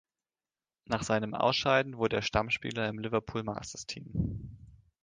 Nach seinem Ausscheiden wurde er Stammspieler im Liverpool Masters Team.